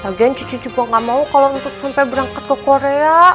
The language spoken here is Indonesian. lagian cucu cucu gue nggak mau kalau untuk sampai berangkat ke korea